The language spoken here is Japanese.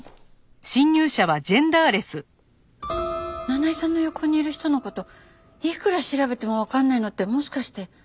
七井さんの横にいる人の事いくら調べてもわかんないのってもしかして。